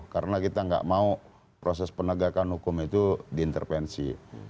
karena kita tidak mau proses penegakan hukum itu diintervensi